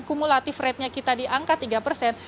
kumulatif ratenya kita diangkat tiga persen